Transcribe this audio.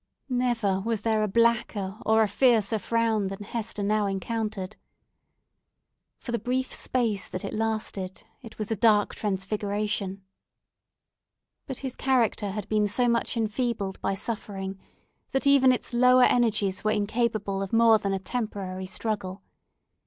Never was there a blacker or a fiercer frown than Hester now encountered. For the brief space that it lasted, it was a dark transfiguration. But his character had been so much enfeebled by suffering, that even its lower energies were incapable of more than a temporary struggle.